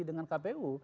jadi dengan kpu